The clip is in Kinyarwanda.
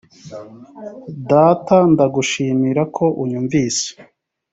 data ndagushimira ko unyumvise .